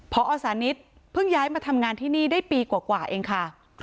พอสานิทเพิ่งย้ายมาทำงานที่นี่ได้ปีกว่าเองค่ะ